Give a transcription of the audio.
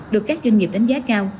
được các doanh nghiệp đánh giá cao